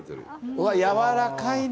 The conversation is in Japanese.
うわ、やわらかいね。